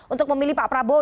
untuk memilih pak prabowo